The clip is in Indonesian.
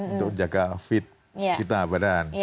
untuk menjaga fit kita badan